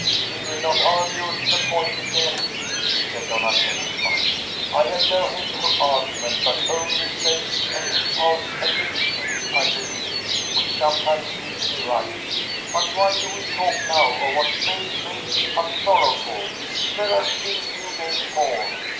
"We will not argue the point again," said Donatello, smiling. "I have no head for argument, but only a sense, an impulse, an instinct, I believe, which sometimes leads me right. But why do we talk now of what may make us sorrowful? There are still two days more.